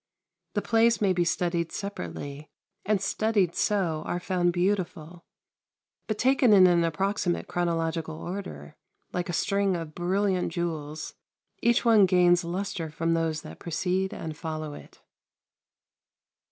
The plays may be studied separately, and studied so are found beautiful; but taken in an approximate chronological order, like a string of brilliant jewels, each one gains lustre from those that precede and follow it.